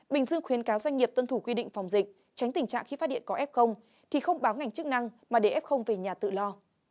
bình dương khuyến cáo doanh nghiệp tuân thủ quy định phòng dịch tránh tình trạng khi phát điện có f thì không báo ngành chức năng mà để f về nhà tự lo